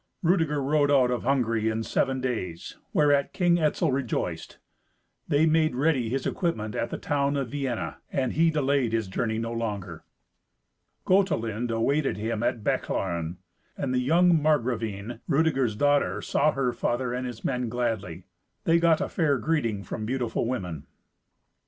Rudeger rode out of Hungary in seven days, whereat King Etzel rejoiced. They made ready his equipment at the town of Vienna, and he delayed his journey no longer. Gotelind awaited him at Bechlaren, and the young Margravine, Rudeger's daughter, saw her father and his men gladly. They got a fair greeting from beautiful women.